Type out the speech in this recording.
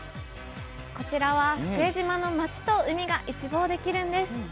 こちらは、福江島の街と海が一望できるんです。